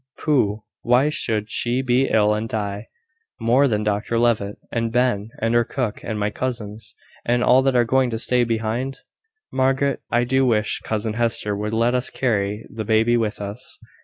"Pooh! why should she be ill and die, more than Dr Levitt, and Ben, and our cook, and my cousins, and all that are going to stay behind? Margaret, I do wish cousin Hester would let us carry the baby with us.